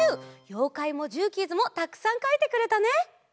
ようかいもジューキーズもたくさんかいてくれたね！